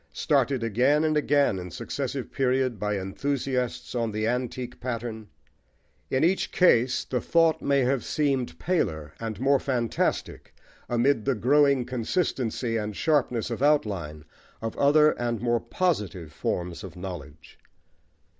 Started again and again in successive periods by enthusiasts on the antique pattern, in each case the thought may have seemed paler and more fantastic amid the growing consistency and sharpness of outline of other and more positive forms of knowledge.